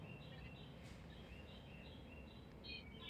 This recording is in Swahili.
watu mia moja sabini na sita walikuwa na kazi